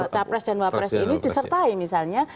capres dan wapres ini disertai misalnya